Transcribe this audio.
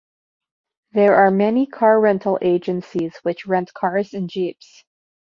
There are many car rental agencies which rent cars and jeeps.